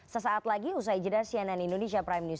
sesaat lagi usai jeda cnn indonesia prime news